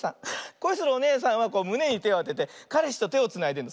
こいするおねえさんはむねにてをあててかれしとてをつないでるの。